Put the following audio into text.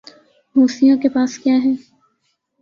حوثیوں کے پاس کیا ہے؟